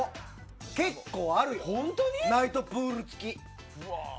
結構あるよ、ナイトプール付き。